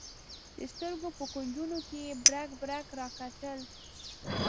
د سترګو په کونجونو کې یې برګ برګ راکتل.